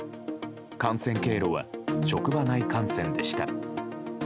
感染経路は職場内感染でした。